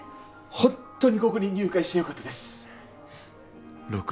ホントにここに入会してよかったです